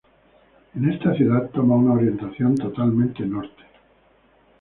En esta ciudad, toma una orientación totalmente norte.